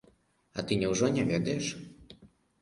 А ты няўжо не ведаеш?